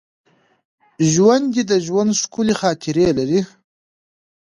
ژوندي د ژوند ښکلي خاطرې لري